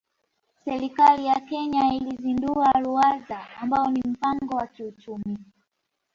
Serikali ya Kenya ilizindua Ruwaza ambao ni mpango wa kiuchumi